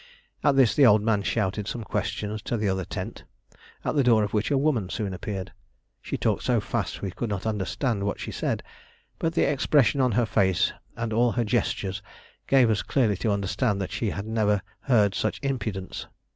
At this the old man shouted some questions to the other tent, at the door of which a woman soon appeared. She talked so fast that we could not understand what she said, but the expression on her face and all her gestures gave us clearly to understand that she had never heard such impudence.